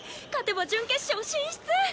勝てば準決勝進出！